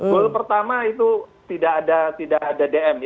goal pertama itu tidak ada dm